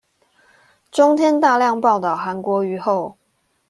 中天大量報導韓國瑜後